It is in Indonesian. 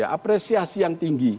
apresiasi yang tinggi